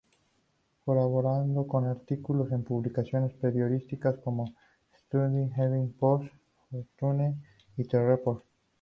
Colaboró con artículos en publicaciones periódicas como "Saturday Evening Post", "Fortune" o "The Reporter".